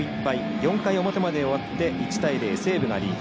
４回表まで終わって１対０西武がリード。